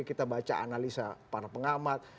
kita baca analisa para pengamat